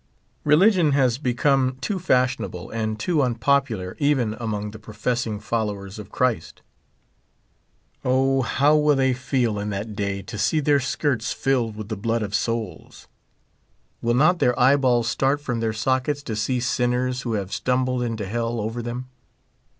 Religion has become 87 U)o fashionable and too unpopular even amont; the pro fessing followers of Ciirist. O, how will they feel in that day to see their skirts filled with the blood of souls ? Will not their eye balls start from their sockets to see sinners who have stumbled into hell over them